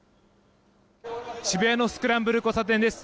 渋谷のスクランブル交差点です。